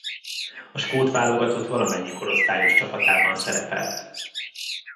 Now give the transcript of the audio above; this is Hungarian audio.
A skót válogatott valamennyi korosztályos csapatában szerepelt.